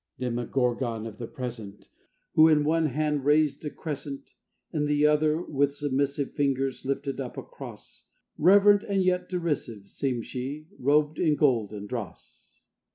Demogorgon of the Present! Who in one hand raised a Crescent, In the other, with submissive Fingers, lifted up a Cross; Reverent and yet derisive Seemed she, robed in gold and dross.